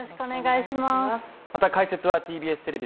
解説はＴＢＳテレビ